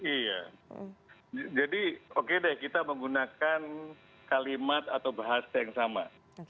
iya jadi oke deh kita menggunakan kalimat atau bahasa yang sama